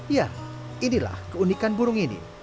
ya inilah keunikan burung ini